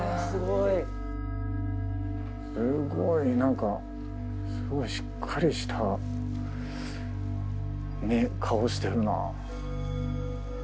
すごい何かすごいしっかりした顔してるなあ。